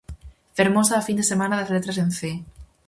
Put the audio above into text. Fermosa a fin de semana das letras en Cee.